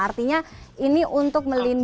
artinya ini untuk melakukan